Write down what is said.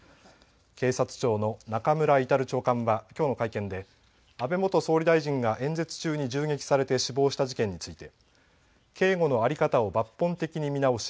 警察庁の中村格長官はきょうの会見で安倍元総理大臣が演説中に銃撃されて死亡した事件について警護の在り方を抜本的に見直し